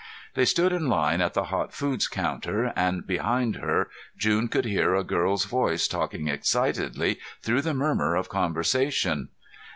They stood in line at the hot foods counter, and behind her June could hear a girl's voice talking excitedly through the murmur of conversation.